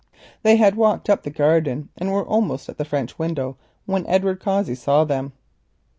They walked up the garden and were almost at the French window when Edward Cossey saw them.